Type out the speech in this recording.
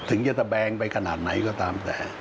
ถึงจะตะแบงไปขนาดไหนก็ตามแต่